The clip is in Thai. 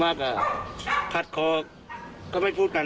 ถ้าขัดโคก็ไม่พูดกัน